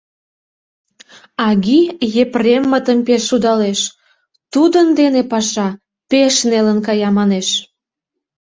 Аги Епреммытым пеш шудалеш: тудын дене паша пеш нелын кая, манеш.